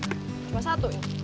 cuma satu ini